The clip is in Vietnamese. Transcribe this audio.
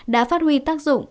đã phát huy tác dụng